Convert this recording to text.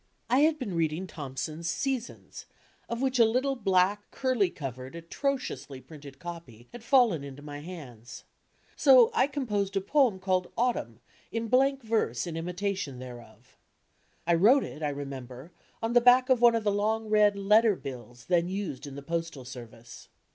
I had been reading Thom son's Seasons, of which a Utde black, curly covered atro ciously printed copy had fallen into my hands. So I com posed a "poem" called "Autumn" in blank verse in imita tion thereof. I wrote it, I remember, on the back of one of the long red "letter bills" then used in the postal service.